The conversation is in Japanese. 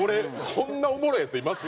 こんなおもろいヤツいます？